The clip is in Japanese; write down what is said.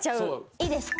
いいですか？